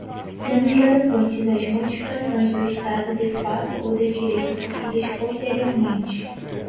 sendo irrelevantes as modificações do estado de fato ou de direito ocorridas posteriormente